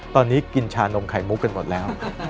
ตอนนี้กินชานมไข่มุกกันหมดแล้ว